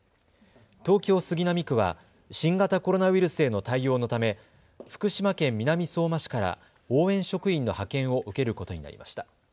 東京杉並区は新型コロナウイルスへの対応のため福島県南相馬市から応援職員の派遣を受けることになりました。